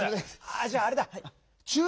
あじゃああれだ。